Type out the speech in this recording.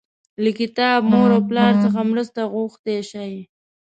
له کتاب، مور او پلار څخه مرسته غوښتی شئ.